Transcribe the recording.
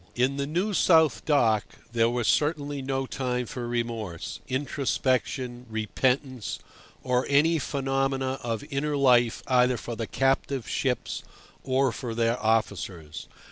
In the New South Dock there was certainly no time for remorse, introspection, repentance, or any phenomena of inner life either for the captive ships or for their officers.